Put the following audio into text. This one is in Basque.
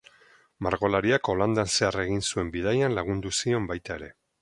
Margolariak Holandan zehar egin zuen bidaian lagundu zion baita ere.